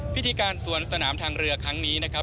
พิธีการสวนสนามทางเรือครั้งนี้นะครับ